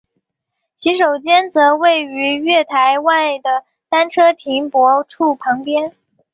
洗手间则位于月台外的单车停泊处旁边。